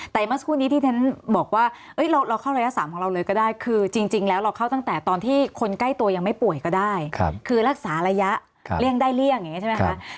แต่เมื่อสักครู่นี้ที่ฉันบอกว่าเราเข้าระยะ๓ของเราเลยก็ได้คือจริงแล้วเราเข้าตั้งแต่ตอนที่คนใกล้ตัวยังไม่ป่วยก็ได้คือรักษาระยะเลี่ยงได้เลี่ยงอย่างนี้ใช่ไหมคะ